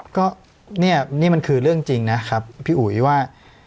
ก็เนี่ยนี่มันคือเรื่องจริงนะครับพี่อุ๋ยว่า